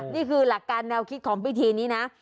นี่คือหลักการแนวคิดของพิธีนี้นะ